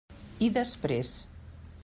I després?